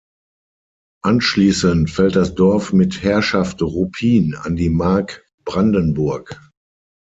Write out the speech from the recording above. Anschließend fällt das Dorf mit Herrschaft Ruppin an die Mark Brandenburg.